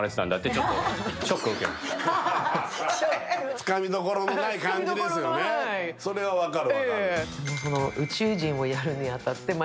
つかみどころのない感じですよ、それは分かる。